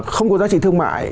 không có giá trị thương mại